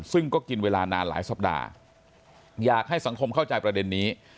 ซึ่งก็กินเวลานานหลายสัปดาห์อยากให้สังคมเข้าใจประเด็นนี้